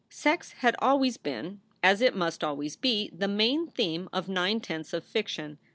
Sex had always been, as it must always be, the main theme of nine tenths of fiction.